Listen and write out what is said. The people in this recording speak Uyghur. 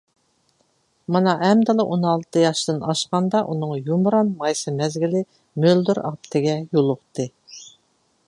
مانا ئەمدىلا ئون ئالتە ياشتىن ئاشقاندا، ئۇنىڭ يۇمران مايسا مەزگىلى مۆلدۈر ئاپىتىگە يولۇقتى.